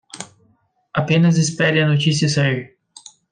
Apenas espere a notícia sair